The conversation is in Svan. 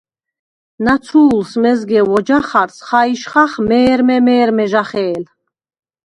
ნაცუ̄ლს მეზგე ვოჯახარს ხაჲშხახ მე̄რმე-მე̄რმე ჟახე̄ლ.